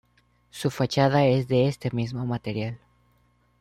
Su fachada es de este mismo material.